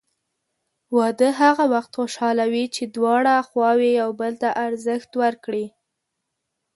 واده هغه وخت خوشحاله وي چې دواړه خواوې یو بل ته ارزښت ورکړي.